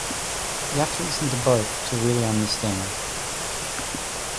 You have to listen to both to really understand.